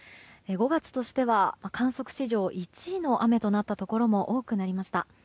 ５月としては観測史上１位の雨となったところも多くなりました。